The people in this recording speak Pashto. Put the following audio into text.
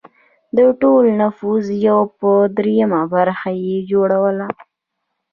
د ټول نفوس یو پر درېیمه برخه یې جوړوله.